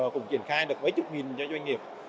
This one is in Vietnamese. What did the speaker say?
cũng triển khai được mấy chục nghìn cho doanh nghiệp